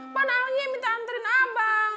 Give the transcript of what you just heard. abang kenalnya minta anterin abang